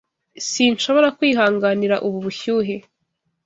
Sinshobora kwihanganira ubu bushyuhe.